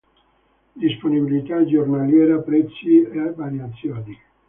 Disponibilità giornaliera, prezzi e variazioni.